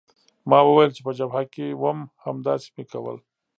ما وویل چې په جبهه کې وم همداسې مې کول.